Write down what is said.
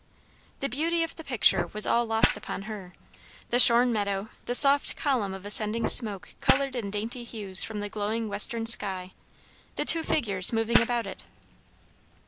The beauty of the picture was all lost upon her: the shorn meadow, the soft column of ascending smoke coloured in dainty hues from the glowing western sky, the two figures moving about it.